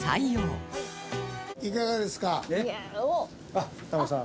あっタモリさん。